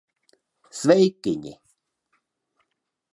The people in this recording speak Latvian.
Sveikiņi!